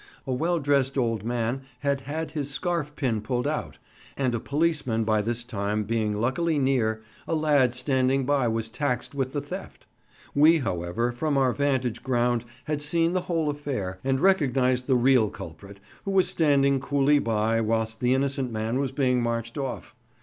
A well dressed old man had had his scarf pin pulled out, and a policeman by this time being luckily near, a lad standing by was taxed with the theft. We, however, from our vantage ground had seen the whole affair, and recognized the real culprit, who was standing coolly by whilst the innocent man was being marched off.